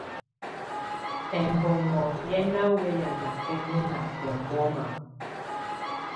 Ɛmbɔŋɔ́ yɛ́ ná wɛ́yá nákɛ́nɛná ɛmbɔ́má.